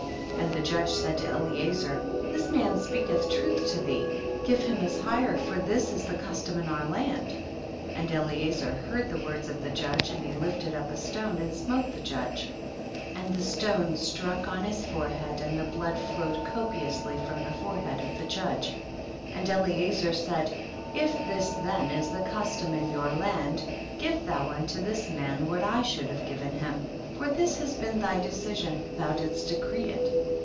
21. And the judge said to Eliezer, this man speakelh truth to thee, give him his hire, for this is the custom in our land ; and Eliezer heard the words of the judge and he lifted up a stone and smote the judge, and the stone struck on his forehead and the blood flowed copiously from the fore head of the judge, and Eliezer said, if this then is the custom in your land give thou unto this man what I should THE BOOK OF JASHER. 53 liavc given him, for lliis has been tliv decision, thou didsl decree it.